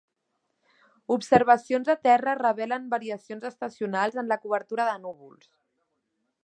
Observacions a terra revelen variacions estacionals en la cobertura de núvols.